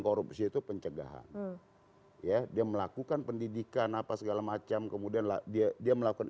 korupsi itu pencegahan ya dia melakukan pendidikan apa segala macam kemudian dia dia melakukan